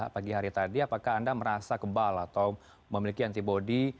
pagi hari tadi apakah anda merasa kebal atau memiliki antibody